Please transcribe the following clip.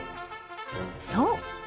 そう。